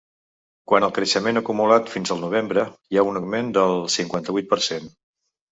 Quant al creixement acumulat fins al novembre, hi ha un augment del cinquanta-vuit per cent.